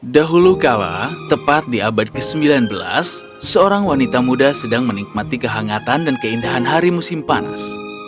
dahulu kala tepat di abad ke sembilan belas seorang wanita muda sedang menikmati kehangatan dan keindahan hari musim panas